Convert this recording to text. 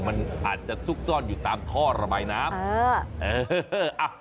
มันอาจจะซุกซ่อนอยู่ตามท่อระบายน้ำ